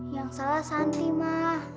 yang salah santi ma